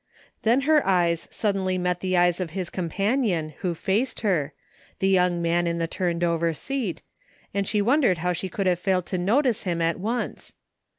Then her eyes suddenly met the eyes of his companion who faced her, the young man in the turned over seat, and she won dered how she could have failed to notice him at once.